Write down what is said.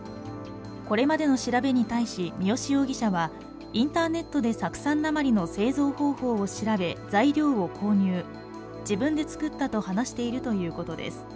これまでの調べに対し三好容疑者はインターネットで酢酸鉛の製造方法を調べ材料を購入、自分で作ったと話しているということです。